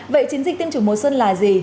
vậy chiến dịch tiêm chủng mùa xuân là gì